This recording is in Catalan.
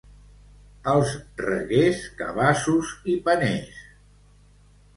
Als Reguers, cabassos i paners.